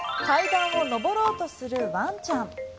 階段を上ろうとするワンちゃん。